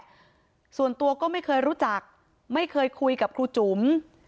ส่วนตัวก็ไม่เคยรู้จักไม่เคยคุยกับครูจุ๋ม